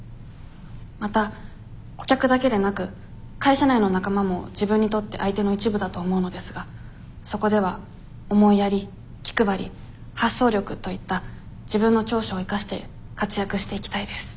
また顧客だけでなく会社内の仲間も自分にとって相手の一部だと思うのですがそこでは思いやり気配り発想力といった自分の長所を生かして活躍していきたいです。